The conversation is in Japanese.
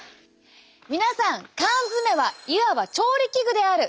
皆さん缶詰はいわば調理器具である。